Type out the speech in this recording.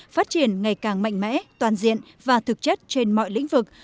phát triển ngày càng mạnh mẽ toàn diện và thực chất trên mọi lĩnh vực